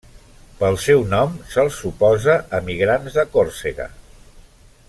Pel seu nom se'ls suposa emigrants de Còrsega.